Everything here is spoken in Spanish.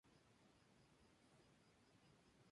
Su matrimonio terminó en divorcio.